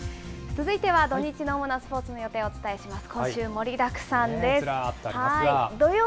続いては、土日の主なスポーツの予定をお伝えします。